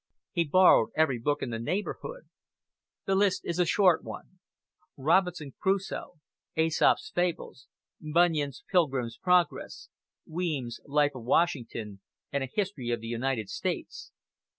He borrowed every book in the neighborhood. The list is a short one: "Robinson Crusoe," "Aesop's Fables," Bunyan's "Pilgrim's Progress," Weems's "Life of Washington," and a "History of the United States."